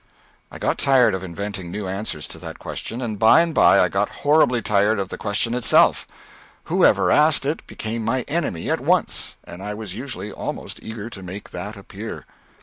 I got tired of inventing new answers to that question, and by and by I got horribly tired of the question itself. Whoever asked it became my enemy at once, and I was usually almost eager to make that appear.